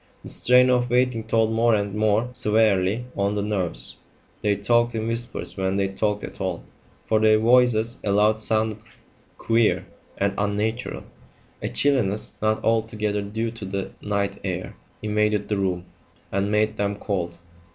The strain of waiting told more and more severely on the nerves; they talked in whispers when they talked at all, for their voices aloud sounded queer and unnatural. A chilliness, not altogether due to the night air, invaded the room, and made them cold.